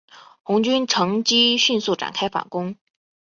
红军乘机迅速展开反攻。